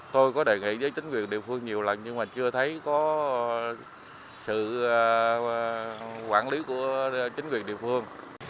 tôi có đề nghị với chính quyền địa phương nhiều lần nhưng mà chưa thấy có sự quản lý của chính quyền địa phương